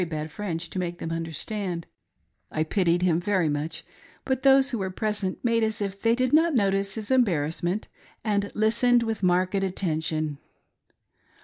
bad French to make them understand, I pitied him very much, but those who were present made as if they did not notice his embarrassment, and listened with marked attention.